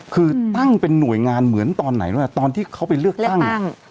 คือตั้งเป็นหน่วยงานเหมือนตอนไหนรู้ไหมตอนที่เขาไปเลือกตั้ง